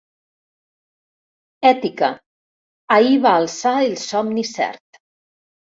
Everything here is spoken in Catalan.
“Ètica: ahir va alçar el somni cert”.